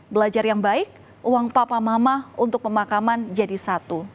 belajar yang baik uang papa mama untuk pemakaman jadi satu